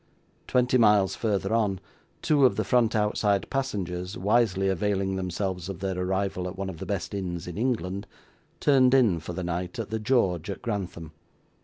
Twenty miles further on, two of the front outside passengers, wisely availing themselves of their arrival at one of the best inns in England, turned in, for the night, at the George at Grantham.